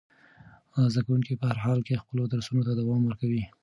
زده کوونکي په هر حالت کې خپلو درسونو ته دوام ورکوي.